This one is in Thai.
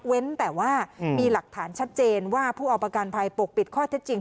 แต่ว่ามีหลักฐานชัดเจนว่าผู้เอาประกันภัยปกปิดข้อเท็จจริง